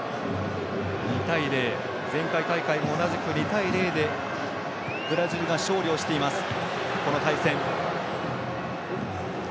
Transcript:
２対０、前回大会も同じく２対０でブラジルが勝利をしています、この対戦。